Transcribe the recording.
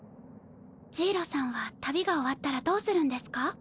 ジイロさんは旅が終わったらどうするんですか？